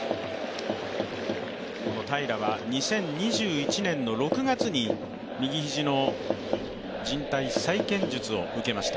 平良は２０２１年の６月に右ひじのじん帯再建術を受けました。